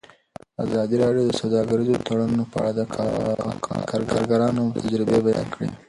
ازادي راډیو د سوداګریز تړونونه په اړه د کارګرانو تجربې بیان کړي.